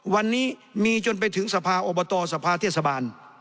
วันนี้มีจนไปถึงสภาอบตสภาเทศบาล